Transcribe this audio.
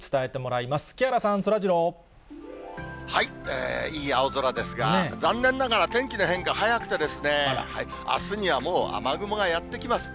いい青空ですが、残念ながら、天気の変化早くて、あすにはもう雨雲がやって来ます。